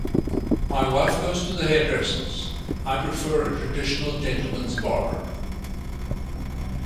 My wife goes to the hairdressers; I prefer a traditional gentleman's barber.